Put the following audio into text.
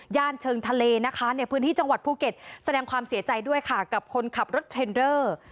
เชิงทะเลนะคะในพื้นที่จังหวัดภูเก็ตแสดงความเสียใจด้วยค่ะกับคนขับรถเทรนเดอร์